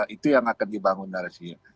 itu yang akan dibangun narasinya